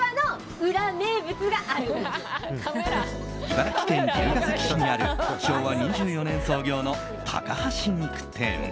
茨城県龍ケ崎市にある昭和２４年創業の高橋肉店。